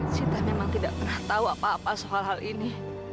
kita memang tidak pernah tahu apa apa soal hal ini